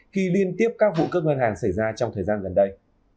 khi liên tiếp các vụ cướp ngân hàng xảy ra trong thời gian gần đây